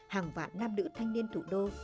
hàng vạn nam nữ thanh niên thủ đô